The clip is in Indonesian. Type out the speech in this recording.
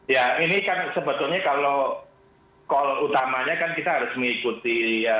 ya ini kan sebetulnya kalau call utamanya kan kita harus mengikuti